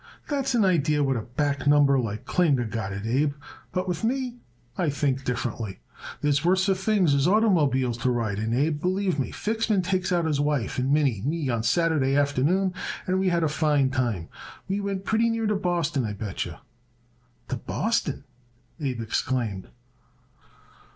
That's an idee what a back number like Klinger got it, Abe, but with me I think differently. There's worser things as oitermobiles to ride in, Abe, believe me. Fixman takes out his wife and Minnie and me on Saturday afternoon, and we had a fine time. We went pretty near to Boston, I bet yer." "To Boston!" Abe exclaimed.